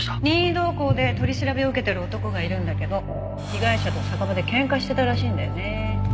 任意同行で取り調べを受けてる男がいるんだけど被害者と酒場で喧嘩してたらしいんだよね。